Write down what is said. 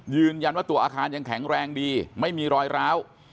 ยืนยันว่าตัวอาคารยังแข็งแรงดีไม่มีรอยร้าว